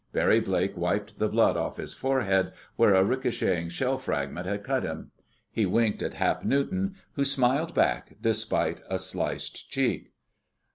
Barry Blake wiped the blood off his forehead, where a ricocheting shell fragment had cut him. He winked at Hap Newton, who smiled back despite a sliced cheek.